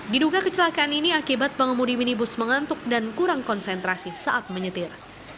diduga kecelakaan ini akibat pengemudi minibus mengantuk dan kurang konsentrasi saat menyetir